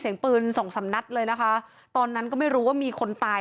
เสียงปืนสองสามนัดเลยนะคะตอนนั้นก็ไม่รู้ว่ามีคนตาย